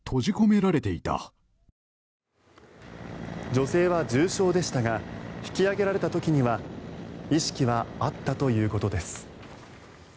女性は重傷でしたが引き上げられた時には意識はあったということです。